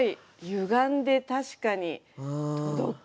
歪んで確かに届く。